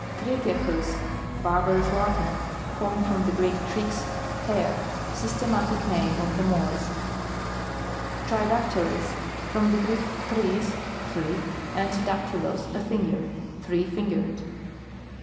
TRICHECHUS. Barbarous Latin, for med from the Greek, trix, hair. Systematic name of the morse. TRIDACTYLUS. From the Greek, treis, three, and daktulos, a finger. Three fingered.